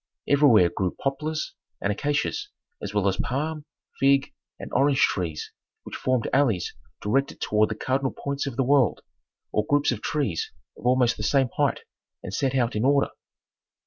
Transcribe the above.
Everywhere grew poplars and acacias, as well as palm, fig, and orange trees which formed alleys directed toward the cardinal points of the world, or groups of trees of almost the same height and set out in order.